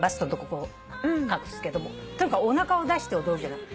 こう隠すけどもとにかくおなかを出して踊るじゃない。